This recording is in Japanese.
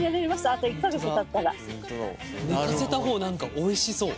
寝かせた方何かおいしそう。